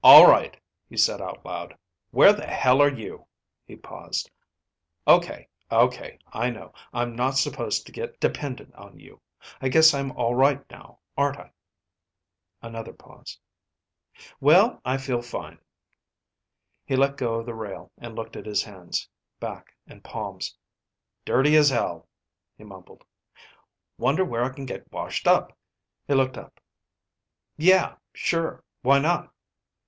"All right," he said out loud. "Where the hell are you?" He paused. "Okay. Okay. I know. I'm not supposed to get dependent on you. I guess I'm all right now, aren't I?" Another pause. "Well, I feel fine." He let go of the rail and looked at his hands, back and palms. "Dirty as hell," he mumbled. "Wonder where I can get washed up." He looked up. "Yeah, sure. Why not?"